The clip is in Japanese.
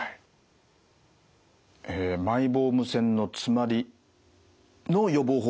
えマイボーム腺の詰まりの予防法